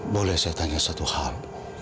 boleh saya tanya satu hal